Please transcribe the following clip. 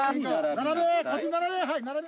並べ！